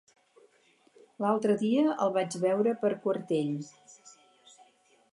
L'altre dia el vaig veure per Quartell.